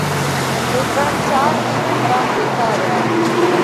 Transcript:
اُو ترڻ چار ۮِي همرام ويتا ريا۔